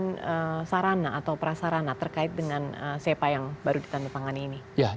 jadi sepa juga membuka peluang kerjasama di bidang pengembangan